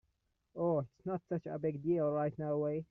Oh, it’s not such a big deal right away.